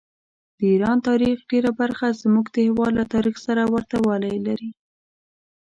د ایران تاریخ ډېره برخه زموږ د هېواد له تاریخ سره ورته والي لري.